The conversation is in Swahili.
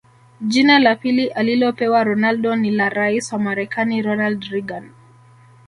Jina la pili alilopewa Ronaldo ni la rais wa Marekani Ronald Reagan